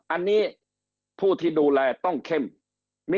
อันนี้ผู้ที่ดูแลต้องเข้ม